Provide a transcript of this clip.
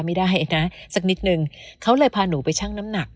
ไม่ได้นะสักนิดนึงเขาเลยพาหนูไปชั่งน้ำหนัก